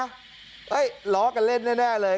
ล้อกันเล่นแน่เลย